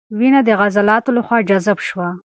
وینه د عضلاتو له خوا جذب شوه.